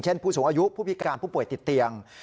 ผู้สูงอายุผู้พิการผู้ป่วยติดเตียง